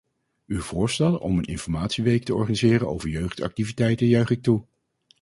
Uw voorstel om een informatieweek te organiseren over jeugdactiviteiten juich ik toe.